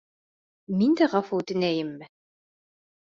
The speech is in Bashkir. Мин дә ғәфү үтенәйемме?